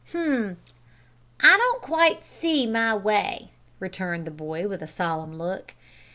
"H'm! I don't quite see my way," returned the boy, with a solemn look.